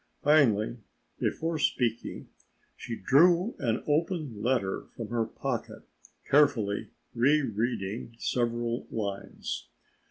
Finally, before speaking, she drew an open letter from her pocket, carefully re reading several lines.